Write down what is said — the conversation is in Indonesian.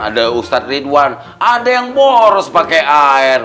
ada ustadz ridwan ada yang boros pakai air